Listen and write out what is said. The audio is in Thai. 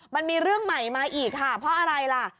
มันมีเรื่องใหม่มาอีกค่ะเพราะอะไรล่ะ